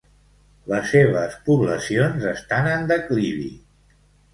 Les seves poblacions estan en declivi.